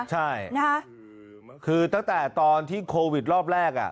ใช่คือตั้งแต่ตอนที่โควิดรอบแรก